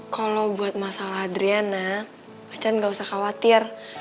kalau buat masalah adriana macan gak usah khawatir